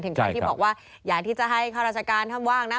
ใครที่บอกว่าอยากที่จะให้ข้าราชการทำว่างนะ